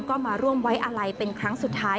ก็มาร่วมไว้อะไรเป็นครั้งสุดท้าย